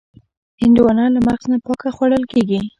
هندوانه له مغز نه پاکه خوړل کېږي.